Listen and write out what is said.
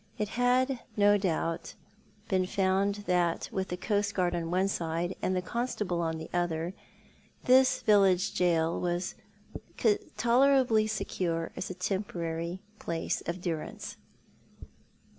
It had no doubt been 138 ThoiL art the Man. found that 'vvith the coastguard ou one side and the constable on the other, this village gaol was tolerably secure as a tem porary place of durance.